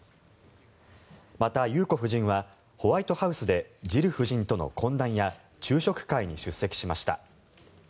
また、裕子夫人はホワイトハウスでジル夫人との懇談や昼食会に出席しました。